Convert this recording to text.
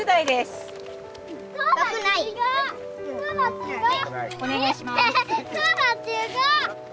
すごい！